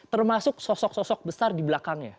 termasuk sosok sosok besar di belakangnya